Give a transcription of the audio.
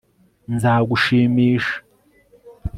Nzagushimisha